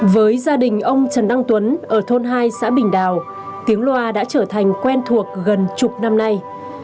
với gia đình ông trần đăng tuấn ở thôn hai xã bình đào tiếng loa đã trở thành quen thuộc gần chục năm nay